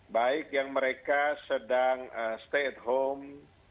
baik yang mereka sedang stay at home